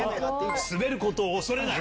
スベルことを恐れない。